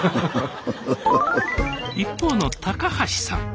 一方の高橋さん。